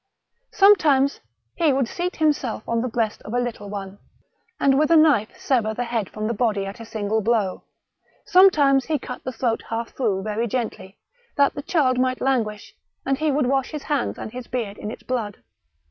Sometimes he would seat himself on the breast of a little one, and with a knife sever the head from the body at a single blow; sometimes he cut the throat half through very gently, that the child might languish, and he would wash his hands and his beard in its blood.